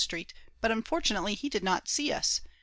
Street, but unfortunately he did not see us.